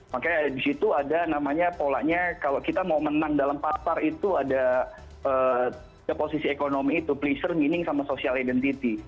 makanya di situ ada namanya polanya kalau kita mau menang dalam pasar itu ada posisi ekonomi itu pleasure meaning sama social identity